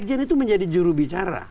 sekjen itu menjadi jurubicara